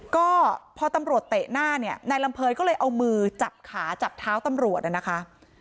ก็พอตำรวจเตะหน้าเนี่ยนายลำเภยก็เลยเอามือจับขาจับเท้าตำรวจนะคะ